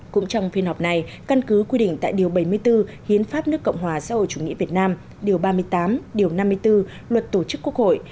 cũng trong phiên họp này căn cứ quy định tại điều bảy mươi bốn hiến pháp nước cộng hòa xã hội chủ nghĩa việt nam điều ba mươi tám điều năm mươi bốn luật tổ chức quốc hội